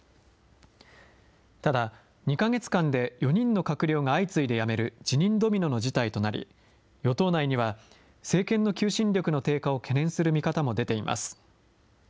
ただ、２か月間で４人の閣僚が相次いで辞める辞任ドミノの事態となり、与党内には政権の求心力の低下を懸念する見方も出ています。